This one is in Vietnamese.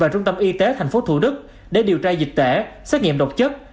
và trung tâm y tế tp thủ đức để điều tra dịch tễ xét nghiệm độc chất